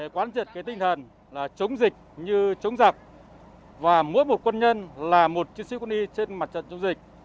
quán triệt tinh thần là chống dịch như chống giặc và mỗi một quân nhân là một chiến sĩ quân y trên mặt trận chống dịch